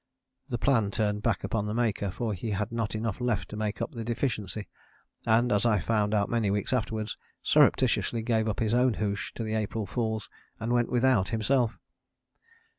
The plan turned back upon the maker, for he had not enough left to make up the deficiency, and, as I found out many weeks afterwards, surreptitiously gave up his own hoosh to the April fools and went without himself.